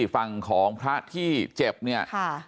ฝั่งของพระที่เจ็บเนี่ย